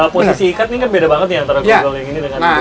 posisi ikat ini kan beda banget ya antara gonggol yang ini dengan